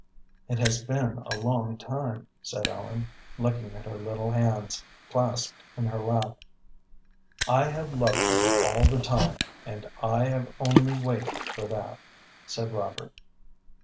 "It has been a long time," said Ellen, looking at her little hands, clasped in her lap. "I have loved you all the time, and I have only waited for that," said Robert.